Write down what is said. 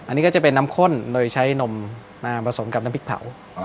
อันนี้ก็จะเป็นน้ำข้นโดยใช้นมผสมกับน้ำพริกเผา